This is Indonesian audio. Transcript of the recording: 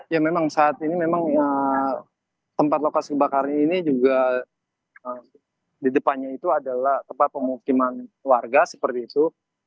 ya memang saat ini memang tempat lokasi kebakaran ini juga di depannya itu adalah tempat pemukiman warga seperti itu